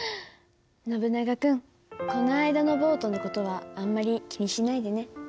「ノブナガ君この間のボートの事はあんまり気にしないでね。